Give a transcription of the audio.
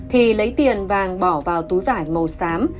thì lấy tiền vàng bỏ vào túi vải màu xám